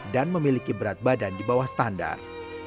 dan memiliki berat badan di bawah standar